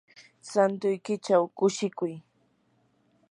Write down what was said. santuykichaw kushikuy.